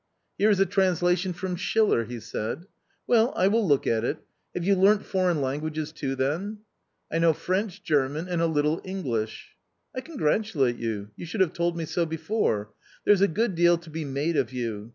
" Here is a translation from Schiller/ 1 he said. " Well ; I will look at it. Have you learnt foreign lan guages too then ?"" I know French, German, and a little English." " I congratulate you, you should have told me so before ; there's a good deal to be made of you.